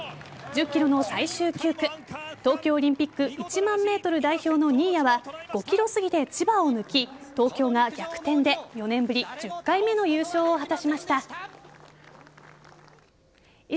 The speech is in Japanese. １０ｋｍの最終９区東京オリンピック１万ｍ代表の新谷は５ｋｍ過ぎで千葉を抜き東京が逆転で４年ぶり１０回目の優勝を果たしました。